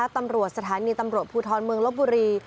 ตำรวจสถานีตำรวจภูทรเมืองลบบุรี